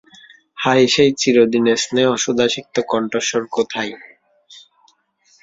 হায়, সেই চিরদিনের স্নেহসুধাসিক্ত কণ্ঠস্বর কোথায়।